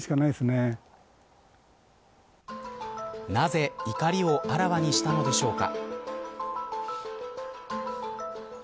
なぜ怒りをあらわにしたのでしょうか。